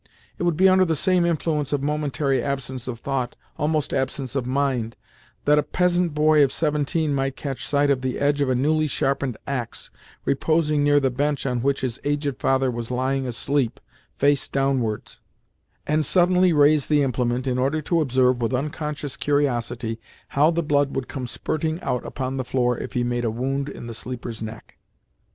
It would be under the same influence of momentary absence of thought—almost absence of mind—that a peasant boy of seventeen might catch sight of the edge of a newly sharpened axe reposing near the bench on which his aged father was lying asleep, face downwards, and suddenly raise the implement in order to observe with unconscious curiosity how the blood would come spurting out upon the floor if he made a wound in the sleeper's neck.